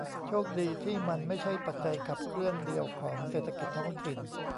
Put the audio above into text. โชคดีที่มันไม่ใช่ปัจจัยขับเคลื่อนเดียวของเศรษฐกิจท้องถิ่น